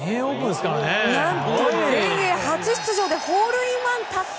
何と全英初出場でホールインワン達成。